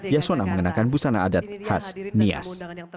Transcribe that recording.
yasona mengenakan busana adat khas nias